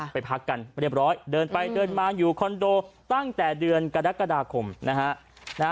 ไปพักกันเรียบร้อยเดินไปเดินมาอยู่คอนโดตั้งแต่เดือนกรกฎาคมนะฮะ